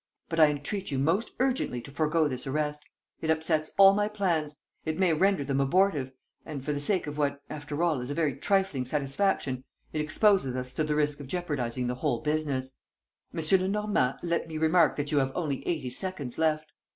But I entreat you most urgently to forego this arrest. It upsets all my plans; it may render them abortive; and, for the sake of what, after all, is a very trifling satisfaction, it exposes us to the risk of jeopardizing the whole business." "M. Lenormand, let me remark that you have only eighty seconds left."